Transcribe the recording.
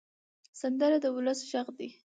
سندره د ولس غږ دی